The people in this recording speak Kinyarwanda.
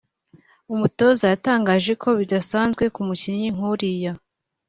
umutoza yatangaje ko bidasanzwe ku mukinnyi nk’uriya